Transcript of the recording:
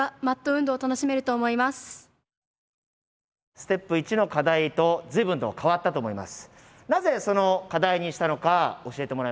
ステップ１の課題と随分と変わったと思います。